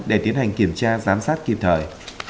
để tiến hành kiểm tra giám sát kịp thời